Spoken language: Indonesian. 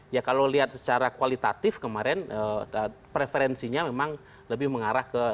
ya kalau lihat secara kualitatif kemarin preferensinya memang lebih mengarah ke